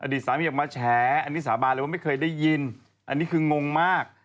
สามีออกมาแฉอันนี้สาบานเลยว่าไม่เคยได้ยินอันนี้คืองงมาก